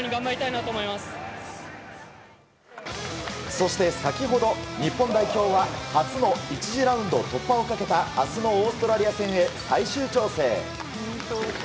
そして先ほど日本代表は初の１次ラウンド突破をかけた明日のオーストラリア戦へ最終調整。